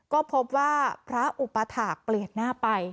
ก็พบว่าพระอุปถาคเปลี่ยนหน้าไป